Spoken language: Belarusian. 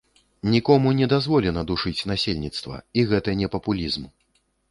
Нікому не дазволена душыць насельніцтва, і гэта не папулізм.